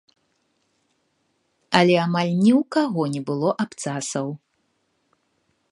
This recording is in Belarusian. Але амаль ні ў каго не было абцасаў!